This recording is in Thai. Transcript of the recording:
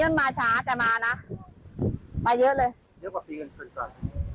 เยอะกว่าปีเกินเกินก่อน